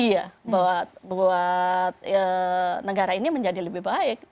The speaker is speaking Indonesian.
sinergi ya buat negara ini menjadi lebih baik